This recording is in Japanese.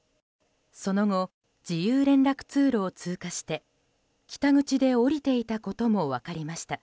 その後、自由連絡通路を通過して北口で降りていたことも分かりました。